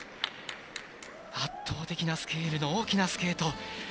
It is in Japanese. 圧倒的なスケールの大きなスケート。